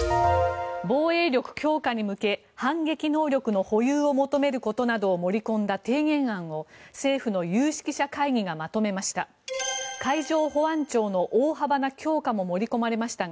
防衛力強化に向け反撃能力の保有を求めることなどを盛り込んだ提言案を政府の有識者会議がまとめました。